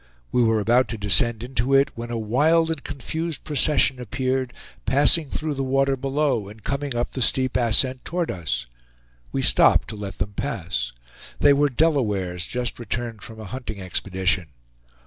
We were about to descend into it, when a wild and confused procession appeared, passing through the water below, and coming up the steep ascent toward us. We stopped to let them pass. They were Delawares, just returned from a hunting expedition.